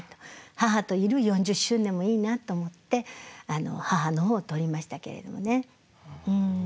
母といる４０周年もいいなと思って母の方を取りましたけれどもね。